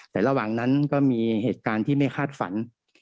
แต่ระหว่างนั้นก็มีเหตุการณ์ที่ไม่คาดฝัน